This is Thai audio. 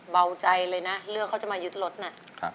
เบาใจเลยนะเลือกเขาจะมายึดรถน่ะ